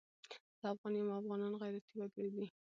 زه افغان یم او افغانان غيرتي وګړي دي